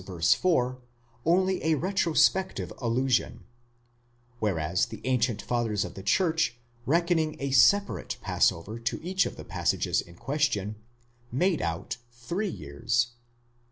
4, only a retrospective allusion; whereas the ancient Fathers of the Church, reckoning a separate Passover to each of the passages in question, made out three years.